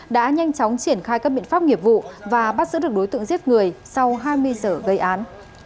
đã nhanh chóng triển khai các biện pháp nghiệp vụ và bắt giữ được đối tượng giết người sau hai mươi giờ gây án